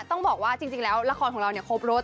ต้องบอกว่าจริงแล้วละครของเราเนี่ยครบรถ